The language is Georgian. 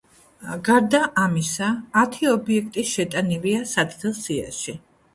გარდა ამისა, ათი ობიექტი შეტანილია საცდელ სიაში.